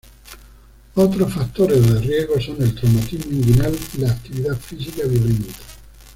Otros factores de riesgo son el traumatismo inguinal y la actividad física violenta.